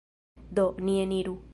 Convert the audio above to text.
Do, ni eniru!